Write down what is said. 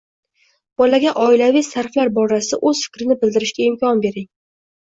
Bolaga oilaviy sarflar borasida o‘z fikrini bildirishga imkon bering.